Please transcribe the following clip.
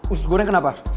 usus goreng kenapa